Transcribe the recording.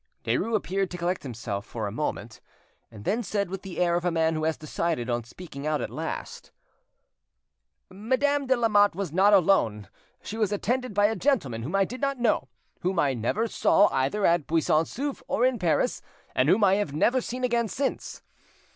Derues appeared to collect himself for a moment, and then said with the air of a man who has decide on speaking out at last— "Madame de Lamotte was not alone; she was attended by a gentleman whom I did not know, whom I never saw either at Buisson Souef or in Paris, and whom I have never seen again since.